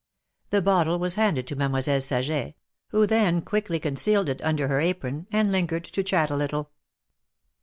The bottle was handed to Mademoiselle Saget, who then quickly concealed it under her apron, and lingered to chat a little.